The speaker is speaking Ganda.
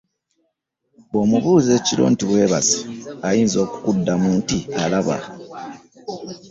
Bwomubuuza ekiro nti webase, ayinza okukuddamu nti alaba .